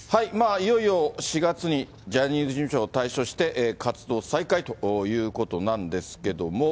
いよいよ４月に、ジャニーズ事務所を退所して、活動再開ということなんですけども。